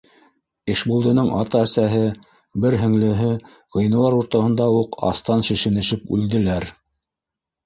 Ишбулдының ата-әсәһе, бер һеңлеһе ғинуар уртаһында уҡ астан шешенешеп үлделәр.